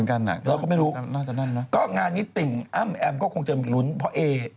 เอาหน่วงก็เอาความทำผัวสิก็อย่างนั้นน่ะ